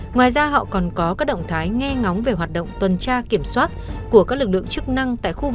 ngoài ra họ còn có các động thái nghe ngóng về hoạt động tuần tra kiểm soát của các lực lượng